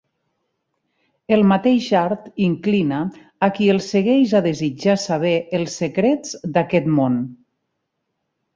El mateix art inclina a qui el segueix a desitjar saber els secrets d'aquest món.